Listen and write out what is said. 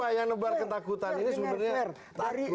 siapa yang ngebar ketakutan ini